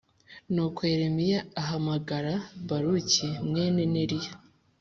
nuko yeremiya ahamagara baruki mwene neriya